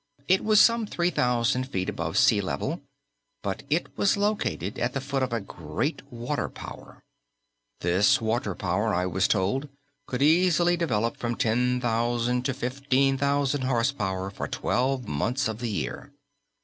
It was some 3,000 feet above sea level; but it was located at the foot of a great water power. This water power, I was told, could easily develop from 10,000 to 15,000 horse power for twelve months of the year.